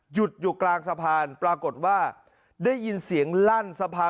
หยุดอยู่กลางสะพานปรากฏว่าได้ยินเสียงลั่นสะพาน